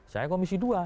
saya komisi dua